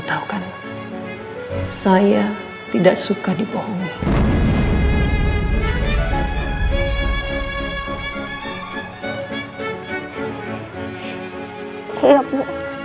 kayak ada yang ngikutin aku